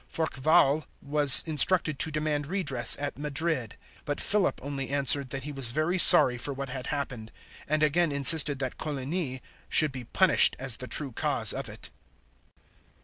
Forquevaulx was instructed to demand redress at Madrid; but Philip only answered that he was very sorry for what had happened, and again insisted that Coligny should be punished as the true cause of it.